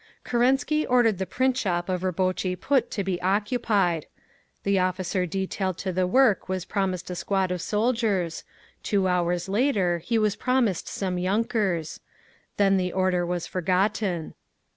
Kerensky ordered the print shop of Rabotchi Put to be occupied. The officer detailed to the work was promised a squad of soldiers; two hours later he was promised some yunkers; then the order was forgotten.